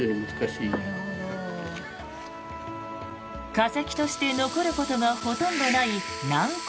化石として残ることがほとんどない軟骨。